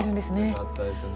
よかったですね。